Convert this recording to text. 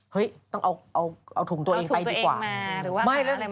เฮ้ยต้องเอาถุงตัวเองไปดีกว่าเอาถุงตัวเองมาหรือว่าอะไรมาซื้อ